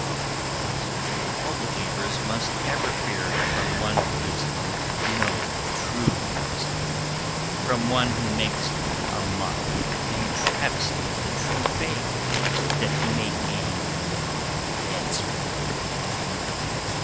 "What all believers must ever fear from one who is no true Muslim, from one who makes a mock and travesty of the True Faith that he may gain advancement."